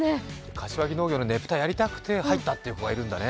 柏木農業のねぷたやりたくて入ったって子がいるんだね。